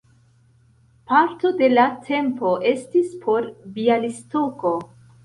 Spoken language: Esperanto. Parto de la tempo estis por Bjalistoko.